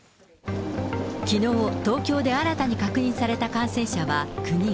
きのう、東京で新たに確認された感染者は９人。